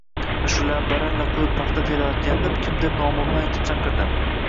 Ashulani baralla qoʻyib paxta terayotgandim, kimdir nomimni aytib chaqirdi.